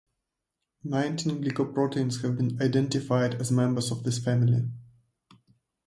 Nineteen glycoproteins have been identified as members of this family.